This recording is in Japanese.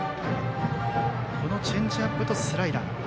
このチェンジアップとスライダー。